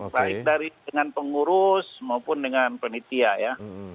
baik dengan pengurus maupun dengan penitia ya